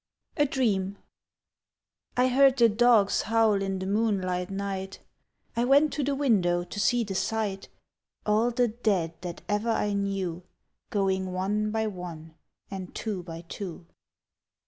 A DREAM I heard the dogs howl in the moonlight night; I went to the window to see the sight; All the Dead that ever I knew Going one by one and two by two.